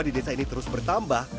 di desa ini terus bertambah